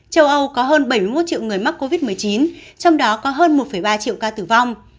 châu âu có hơn bảy mươi một triệu người mắc covid một mươi chín trong đó có hơn một ba triệu ca tử vong